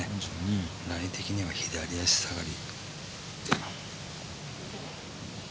ライ的には左足下がり。